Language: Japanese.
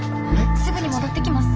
すぐに戻ってきます。